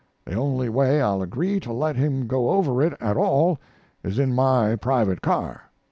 The only way I'll agree to let him go over it at all is in my private car.